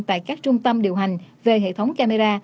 tại các trung tâm điều hành về hệ thống camera